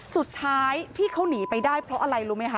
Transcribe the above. สุดท้ายที่เขาหนีไปได้เพราะอะไรรู้ไหมคะ